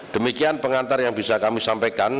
demikian pengantar yang bisa kami sampaikan